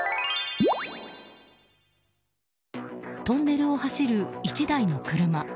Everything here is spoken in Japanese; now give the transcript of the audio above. トンネルを走る１台の車。